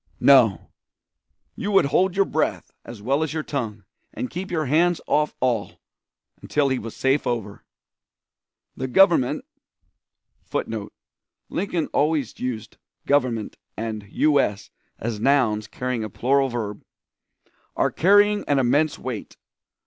"No; you would hold your breath as well as your tongue, and keep your hands off all, until he was safe over. "The government [Footnote: Lincoln always used "Government" and "U. S." as nouns carrying a plural verb.] are carrying an immense weight.